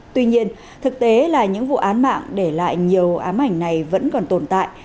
tuy nhiên thực tế là những vụ án mạng để lại nhiều ám ảnh này vẫn còn tồn tại